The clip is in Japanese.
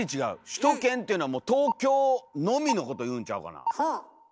首都圏っていうのは東京のみのことをいうんちゃうかな。